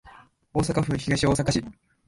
大阪府東大阪市